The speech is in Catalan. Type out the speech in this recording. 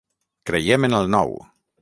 Creiem en el nou.